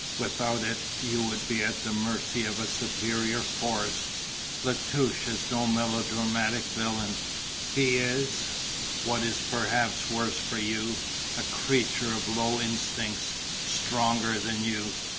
Without it you would be at the mercy of a superior force. La Touche is no melodramatic villain; he is, what is perhaps worse for you, a creature of low instincts, stronger than you.